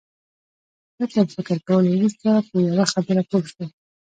هغه تر فکر کولو وروسته په یوه خبره پوه شو